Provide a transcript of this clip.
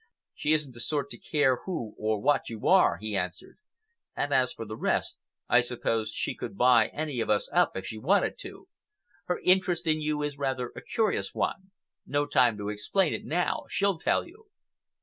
"She isn't the sort to care who or what you are," he answered. "And as for the rest, I suppose she could buy any of us up if she wanted to. Her interest in you is rather a curious one. No time to explain it now. She'll tell you."